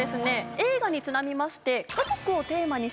映画にちなみまして。